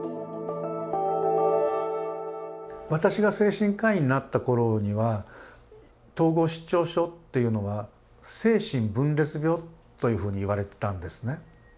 私が精神科医になった頃には統合失調症というのは精神分裂病というふうに言われてたんですね。